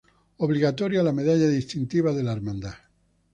Obligatoria la medalla distintiva de la Hermandad.